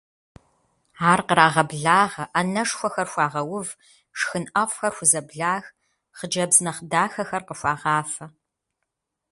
Ар кърагъэблагъэ, ӏэнэшхуэхэр хуагъэув, шхын ӏэфӏхэр хузэблах, хъыджэбз нэхъ дахэхэр къыхуагъафэ.